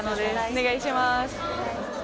お願いします。